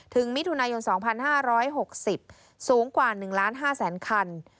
มิถุนายน๒๕๖๐สูงกว่า๑๕๐๐๐คัน